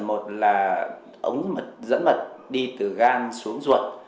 một là ống mật dẫn mật đi từ gan xuống ruột